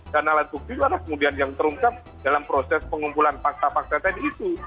alat bukti itu kemudian yang terungkap dalam proses pengumpulan fakta fakta tadi itu